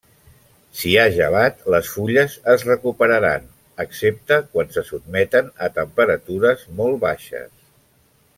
Si ha gelat, les fulles es recuperaran excepte quan se sotmeten a temperatures molt baixes.